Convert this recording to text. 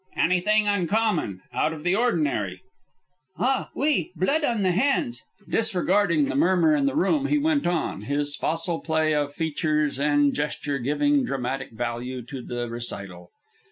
^Anything uncommon, out of the ordinary?" "Ah, oui; blood on the hands." Disregarding the murmur in the room, he went on, his facile play of feature and gesture giving dramatic value to the recital.